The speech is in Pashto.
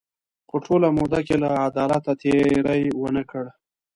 په ټوله موده کې له عدالته تېری ونه کړ.